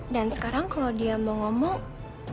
dan sekarang kalau dia mau ngomong